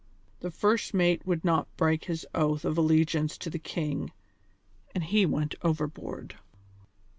The first mate would not break his oath of allegiance to the king, and he went overboard.